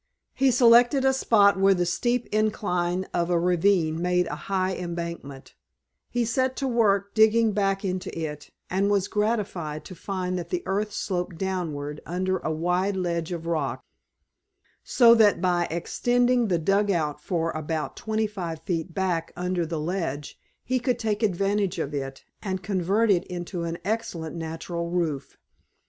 He selected a spot where the steep incline of a ravine made a high embankment; he set to work digging back into it, and was gratified to find that the earth sloped downward under a wide ledge of rock, so that by extending the dugout for about twenty five feet back under the ledge he could take advantage of it and convert it into an excellent natural roof.